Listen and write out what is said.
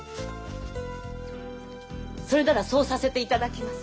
それならそうさせていただきます。